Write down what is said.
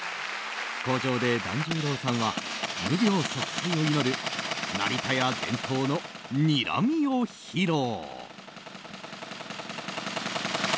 口上で、團十郎さんは無病息災を祈る成田屋伝統のにらみを披露。